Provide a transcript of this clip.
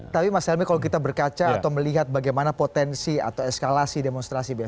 tapi mas helmi kalau kita berkaca atau melihat bagaimana potensi atau eskalasi demonstrasi besok